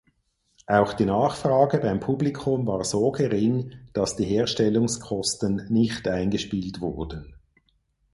Auch die Nachfrage beim Publikum war so gering, dass die Herstellungskosten nicht eingespielt wurden.